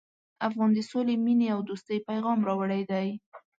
افغان د سولې، مینې او دوستۍ پیغام راوړی دی.